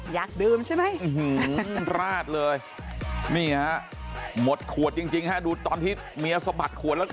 อยากดื่มใช่ไหมราดเลยนี่ฮะหมดขวดจริงฮะดูตอนที่เมียสะบัดขวดแล้ว